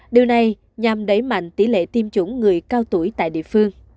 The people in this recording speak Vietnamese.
điều này nhằm đẩy mạnh tỷ lệ tiêm chủng người cao tuổi tại địa phương